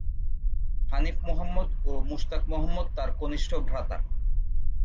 হানিফ মোহাম্মদ ও মুশতাক মোহাম্মদ তার কনিষ্ঠ ভ্রাতা।